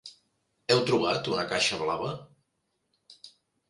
Heu trobat una caixa blava?